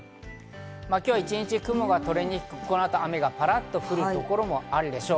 今日は一日、雲が取れにくく、この後、雨がパラっと降るところもあるでしょう。